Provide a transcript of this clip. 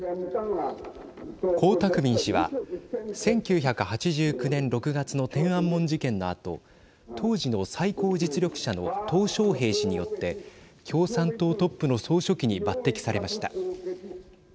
江沢民氏は１９８９年６月の天安門事件のあと当時の最高実力者のとう小平氏によって共産党トップの総書記に抜てきされました。